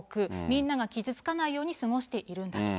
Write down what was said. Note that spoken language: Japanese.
みんなが傷つかないように過ごしているんだと。